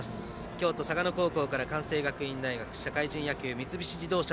京都・嵯峨野高校から関西学院大学社会人野球、三菱自動車